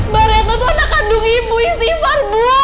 baria toto anak kandung ibu istimewa ibu